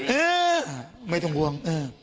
เอ๊ะไม่ต้องห่วง